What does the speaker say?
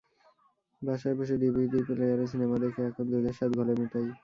বাসায় বসে ডিভিডি প্লেয়ারে সিনেমা দেখে এখন দুধের স্বাদ ঘোলে মেটাই।